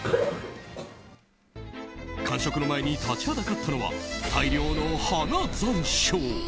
完食の前に立ちはだかったのは大量の花山椒。